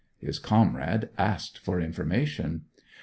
His comrade asked for information.